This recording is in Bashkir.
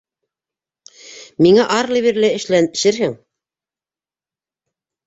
Миңә арлы-бирле эшләшерһең.